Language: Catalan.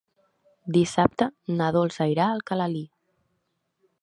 Dissabte na Dolça irà a Alcalalí.